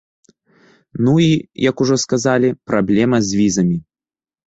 Ну і, як ужо сказалі, праблема з візамі.